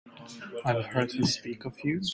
I've heard her speak of you.